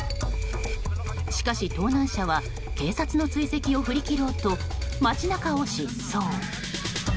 しかし、盗難車は警察の追跡を振り切ろうと街中を疾走。